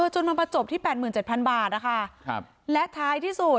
จนมันมาจบที่๘๗๐๐บาทนะคะและท้ายที่สุด